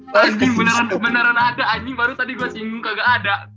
pas beneran ada anjing baru tadi gue singgung kagak ada